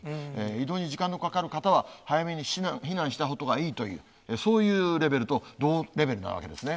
移動に時間のかかる方は、早めに避難したほうがいいという、そういうレベルと同レベルなわけですね。